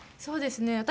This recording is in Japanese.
そうですね。